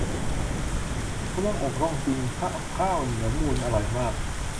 มะม่วงอกร่องกินกับข้าวเหนียวมูนอร่อยมาก